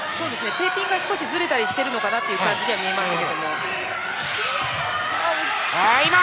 テーピングが少しずれたりしているようには見えました。